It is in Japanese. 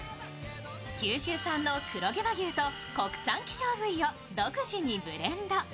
九州産の黒毛和牛と国産希少部位を独自にブレンド。